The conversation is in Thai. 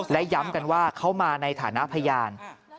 และย้ำกันว่าเขามาในฐานะพยาน